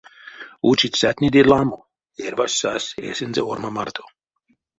Учицятнеде ламо, эрьвась сась эсензэ орма марто.